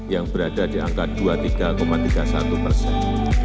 yang berada di angka dua puluh tiga tiga puluh satu persen